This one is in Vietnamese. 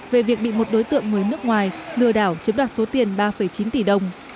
về việc bị một đối tượng người nước ngoài lừa đảo chiếm đoạt số tiền ba chín tỷ đồng